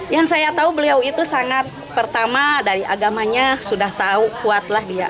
yang saya tahu beliau itu sangat pertama dari agamanya sudah tahu kuatlah dia